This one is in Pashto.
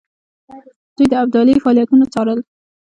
دوی د ابدالي فعالیتونه څارل.